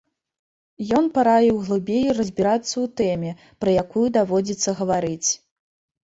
Ён параіў глыбей разбірацца ў тэме, пра якую даводзіцца гаварыць.